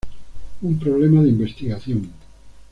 Un problema de investigación.